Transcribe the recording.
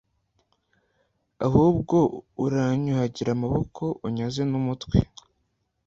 ahubwo uranyuhagira amaboko, unyoze n'umutwe."